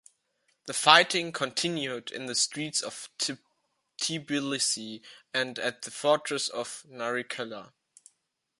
The fighting continued in the streets of Tbilisi and at the fortress of Narikala.